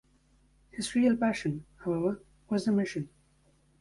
His real passion, however, was the mission.